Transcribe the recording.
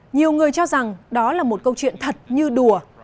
nhiều người cho rằng đó là một câu chuyện thật như đùa